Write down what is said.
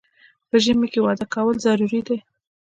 په ژمي کې واده کول ضروري دي